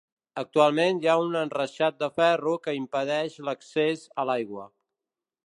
Actualment hi ha un enreixat de ferro que impedeix l'accés a l'aigua.